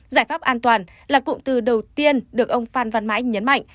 giải pháp an toàn là cụm từ đầu tiên được ông phan văn mãi nhấn mạnh